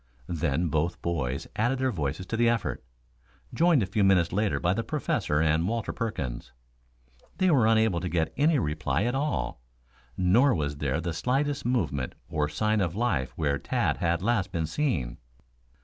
Then both boys added their voices to the effort, joined a few minutes later by the Professor and Walter Perkins. They were unable to get any reply at all; nor was there the slightest movement or sign of life where Tad had last been seen.